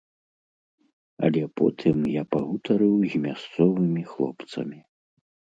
Але потым я пагутарыў з мясцовымі хлопцамі.